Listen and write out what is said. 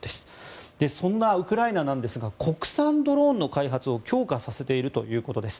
そんなウクライナなんですが国産ドローンの開発を強化させているということです。